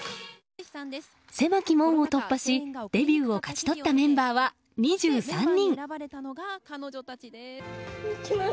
狭き門を突破しデビューを勝ち取ったメンバーは２３人。